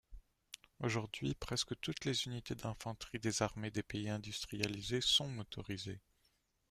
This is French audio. Aujourd'hui, presque toutes les unités d'infanterie des armées des pays industrialisés sont motorisées.